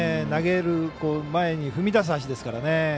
投げる前に踏み出す足ですからね。